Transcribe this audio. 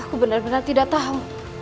aku benar benar tidak tahu